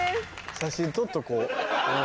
写真撮っとこう。